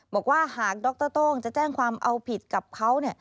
บอกว่าหากดรโต้งจะแจ้งความเอาผิดกับเขา